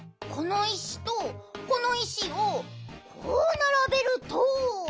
この石とこの石をこうならべると。